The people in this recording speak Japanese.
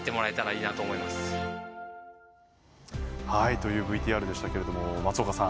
というＶＴＲでしたが松岡さん